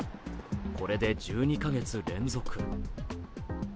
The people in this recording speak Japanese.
これで１２カ月連続。